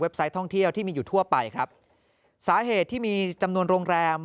ไซต์ท่องเที่ยวที่มีอยู่ทั่วไปครับสาเหตุที่มีจำนวนโรงแรม